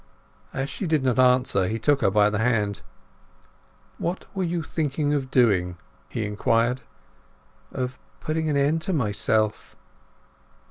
As she did not answer he took her by the hand. "What were you thinking of doing?" he inquired. "Of putting an end to myself."